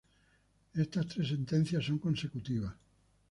Estas tres sentencia son consecutivas.